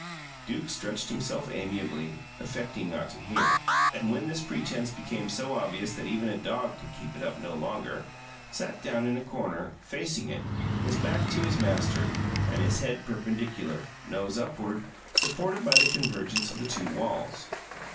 Duke stretched himself amiably, affecting not to hear; and when this pretence became so obvious that even a dog could keep it up no longer, sat down in a corner, facing it, his back to his master, and his head perpendicular, nose upward, supported by the convergence of the two walls.